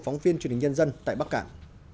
phóng viên truyền hình nhân dân tại bắc cạn